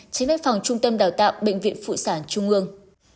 tránh văn phòng trung tâm đào tạo bệnh viện phụ sản trung ương